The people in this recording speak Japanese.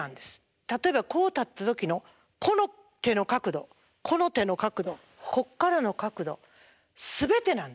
例えばこう立った時のこの手の角度この手の角度こっからの角度全てなんです。